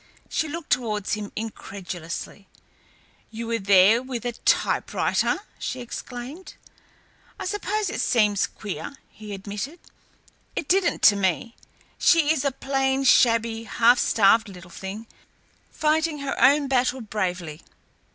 She looked towards him incredulously. "You were there with a typewriter?" she exclaimed. "I suppose it seems queer," he admitted. "It didn't to me. She is a plain, shabby, half starved little thing, fighting her own battle bravely.